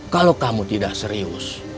kalo kamu tidak serius